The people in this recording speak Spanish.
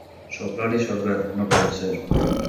Soplar y sorber, no puede ser.